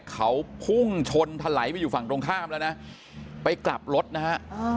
เขาพุ่งชนทะไหลไปอยู่ฝั่งตรงข้ามแล้วนะไปกลับรถนะฮะ